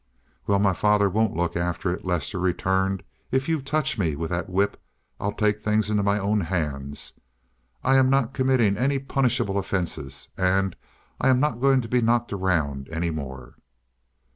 "Well, my father won't look after it," Lester returned. "If you touch me with that whip I'll take things into my own hands. I'm not committing any punishable offenses, and I'm not going to be knocked around any more."